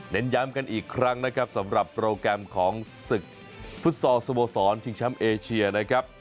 ย้ำกันอีกครั้งนะครับสำหรับโปรแกรมของศึกฟุตซอลสโมสรชิงแชมป์เอเชียนะครับ